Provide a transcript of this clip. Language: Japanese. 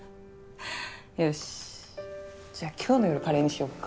よしじゃあ今日の夜カレーにしよっか！